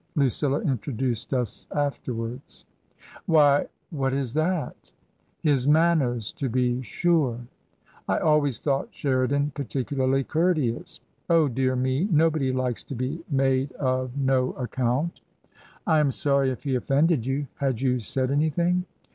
Lucilla introduced us afterwards." " Why ! what is that ?"" His manners, to be sure." " I always thought Sheridan particularly courteous !" "Oh, dear me! Nobody likes to be made of no account." " I am sorry if he offended you. Had you said any thing